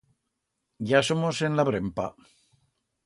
Ya somos en la brempa.